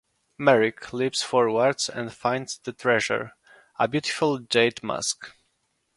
Merrick leaps forward and finds the treasure: a beautiful jade mask.